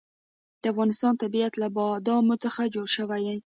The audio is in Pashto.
د افغانستان طبیعت له بادامو څخه جوړ شوی دی.